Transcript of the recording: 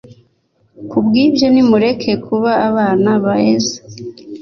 ku bw ibyo nimureke kuba abana beza